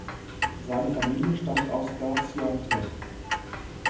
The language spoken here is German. Seine Familie stammt aus Gaziantep.